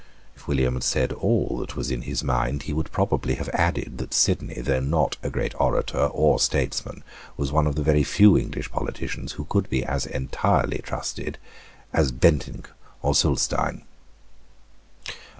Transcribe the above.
If William had said all that was in his mind, he would probably have added that Sidney, though not a great orator or statesman, was one of the very few English politicians who could be as entirely trusted as Bentinck or Zulestein.